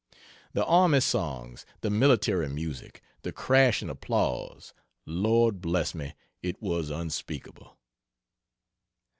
The army songs, the military music, the crashing applause Lord bless me, it was unspeakable.